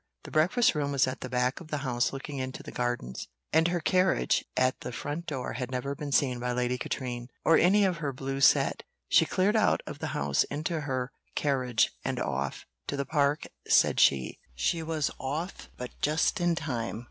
The breakfast room was at the back of the house looking into the gardens, and her carriage at the front door had never been seen by Lady Katrine, or any of her blue set. She cleared out of the house into her carriage and off "To the Park," said she. She was off but just in time.